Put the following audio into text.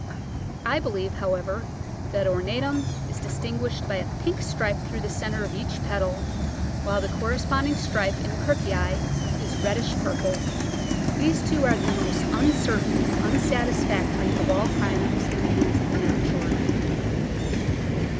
I believe, however, that ornatum is distinguished by a pink stripe through the centre of each petal, while the corresponding stripe in Kirkii Digitized by Google 160 The Flower Garden [Chapter is reddish purple; these two are the most uncertain and unsatisfactory of all Crinums in the hands of the amateur.